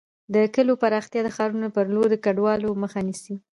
د کليو پراختیا د ښارونو پر لور د کډوالۍ مخه نیسي.